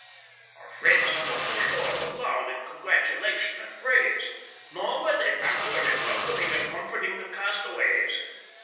Our friends upon the shore were loud in congratulation and praise, nor were they backward in welcoming and comforting the castaways.